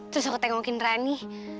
terus aku tengokin rani